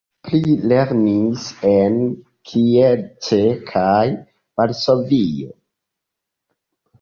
Plu lernis en Kielce kaj Varsovio.